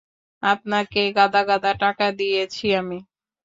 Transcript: আপনাকে গাদা গাদা টাকা দিয়েছি আমি!